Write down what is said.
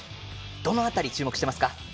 どの辺り、注目していますか？